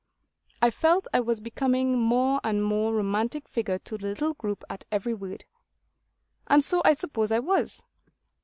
I felt I was becoming a more and more romantic figure to the little group at every word. And so I suppose I was.